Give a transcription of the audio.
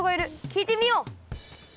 きいてみよう！